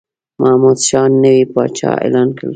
محمودشاه نوی پاچا اعلان کړ.